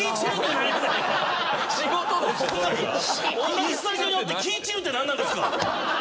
同じスタジオにおって気ぃ散るって何なんですか